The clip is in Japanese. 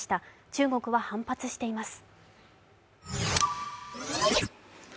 中国は反発しています。